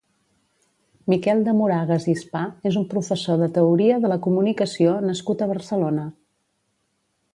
Miquel de Moragas i Spà és un professor de Teoria de la Comunicació nascut a Barcelona.